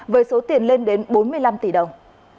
với số tiền lên đến bốn mươi năm tỷ đồng